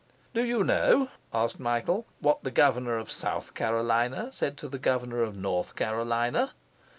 'Do you know,' asked Michael, 'what the Governor of South Carolina said to the Governor of North Carolina?